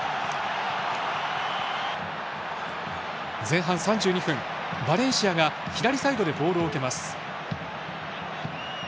前半３２分、バレンシアが左サイドでボールを受けます。